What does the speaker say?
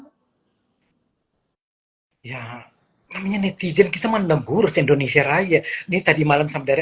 oh ya my netizen kita ngetong indonesia raya niet instagram sampai